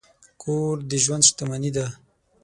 کور د ژوند شتمني ده.